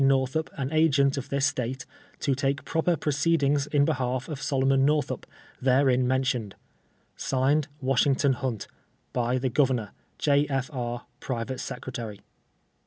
Northup an Agent of this State, to take proper proceedings in behalf of Solomon Northup, there in nienlioued. (Signed,) WASHINGTON HUNT. By the Governor. J. F. IJ., Private Secretary.